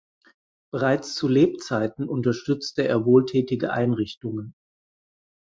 Bereits zu Lebzeiten unterstützte er wohltätige Einrichtungen.